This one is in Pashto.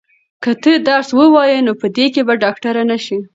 که ته درس ووایې نو په دې کې به ډاکټره نه شې.